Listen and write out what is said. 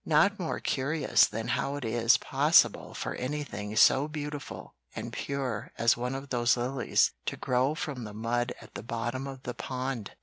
"Not more curious than how it is possible for anything so beautiful and pure as one of those lilies to grow from the mud at the bottom of the pond.